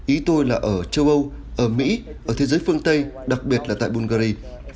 ý tôi là ở châu âu ở mỹ ở thế giới phương tây đặc biệt là tại bungary